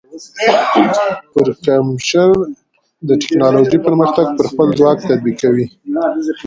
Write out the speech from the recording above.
پرکمشر د ټیکنالوجۍ پرمختګ پر خپل ځواک تطبیق کوي.